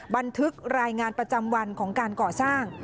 บันทึกรายงานประจำวันของการก่อสร้าง